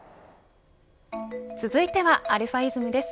続いてはαｉｓｍです。